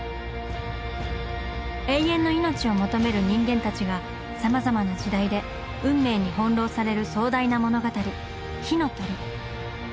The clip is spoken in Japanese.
永遠の命を求める人間たちがさまざまな時代で運命に翻弄される壮大な物語「火の鳥」。